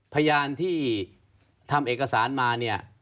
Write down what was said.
พยานที่ทำเอกสารมาเนี่ย